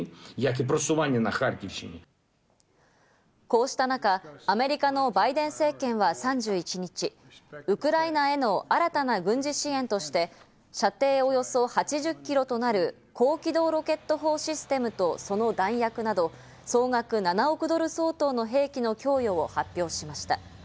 こうした中、アメリカのバイデン政権は３１日、ウクライナへの新たな軍事支援として、射程およそ８０キロとなる高機動ロケット砲システムとその弾薬など総額７億ドル相当の兵器の供与を発表しました。